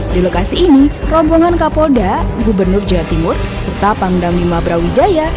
di lokasi ini rombongan kapolda gubernur jawa timur serta pangdam lima brawijaya